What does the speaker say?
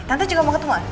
tante juga mau ketemu